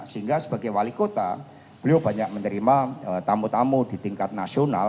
sehingga sebagai wali kota beliau banyak menerima tamu tamu di tingkat nasional